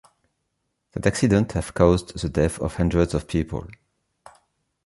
That accident have caused the death of hundreds of people.